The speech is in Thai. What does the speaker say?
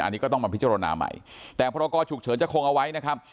อันนี้ก็ต้องมาพิจารณาใหม่แต่พรกรฉุกเฉินจะคงเอาไว้นะครับ